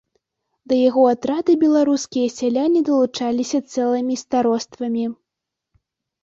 Да яго атрада беларускія сяляне далучаліся цэлымі староствамі.